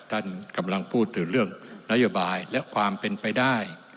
ท่านกำลังพูดถึงเรื่องนโยบายและความเป็นไปได้